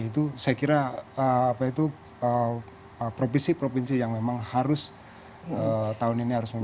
itu saya kira provinsi provinsi yang memang harus tahun ini harus memiliki